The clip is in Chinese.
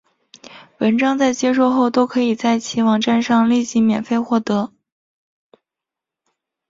文章在接受后都可以在其网站上立即免费获得。